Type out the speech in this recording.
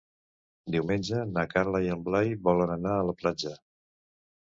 Diumenge na Carla i en Blai volen anar a la platja.